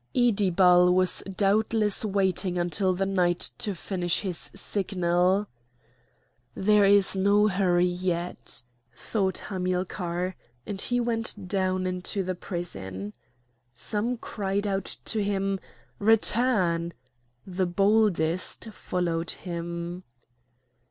Iddibal was doubtless waiting until the night to finish his signal. "There is no hurry yet," thought Hamilcar; and he went down into the prison. Some cried out to him: "Return"; the boldest followed him.